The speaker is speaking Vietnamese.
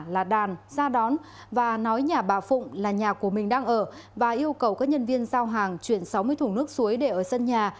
là đàn ra đón và nói nhà bà phụng là nhà của mình đang ở và yêu cầu các nhân viên giao hàng chuyển sáu mươi thùng nước suối để ở sân nhà